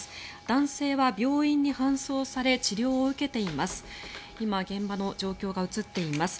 男性は病院に搬送され治療を受けています。